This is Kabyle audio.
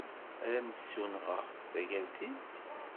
Ad am-d-ssunɣeɣ tagertilt?